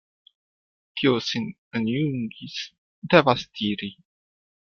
Kiu sin enjungis, devas tiri.